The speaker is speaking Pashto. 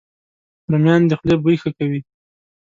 رومیان د خولې بوی ښه کوي